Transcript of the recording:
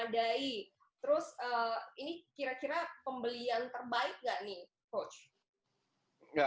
fisik juga memadai